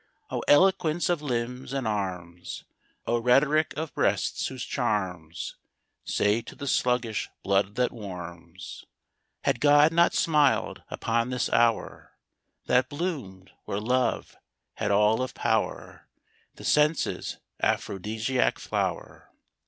O eloquence of limbs and arms! O rhetoric of breasts, whose charms Say to the sluggish blood what warms! Had God not smiled upon this hour That bloomed, where love had all of power, The senses' aphrodisiac flower?